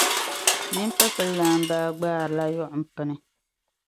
Nin’ pipililana baa gbaarila yuɣimpini.